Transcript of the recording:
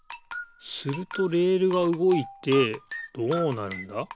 するとレールがうごいてどうなるんだ？